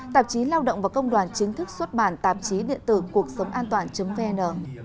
tạp chí lao động và công đoàn chính thức xuất bản tạp chí điện tử cuộc sống an toàn vn